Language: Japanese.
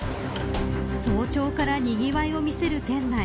早朝からにぎわいを見せている店内。